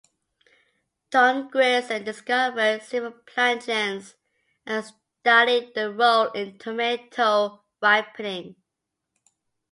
Don Grierson discovered several plant genes and studied their role in tomato ripening.